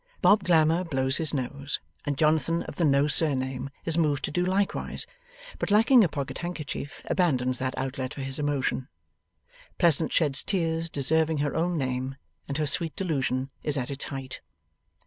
Bob Glamour blows his nose, and Jonathan of the no surname is moved to do likewise, but lacking a pocket handkerchief abandons that outlet for his emotion. Pleasant sheds tears deserving her own name, and her sweet delusion is at its height.